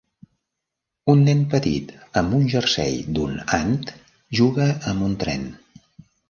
Un nen petit amb un jersei d'un ant juga amb un tren.